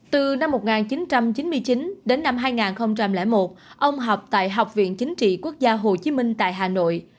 từ năm một nghìn chín trăm chín mươi chín đến năm hai nghìn một ông học tại học viện chính trị quốc gia hồ chí minh tại hà nội